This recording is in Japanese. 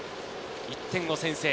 １点を先制。